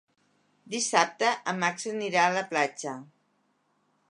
Dissabte en Max anirà a la platja.